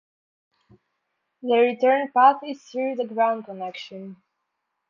The return path is through the ground connection.